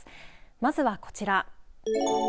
まずはこちら。